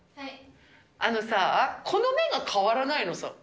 あのさ、この目が変わらないのさ。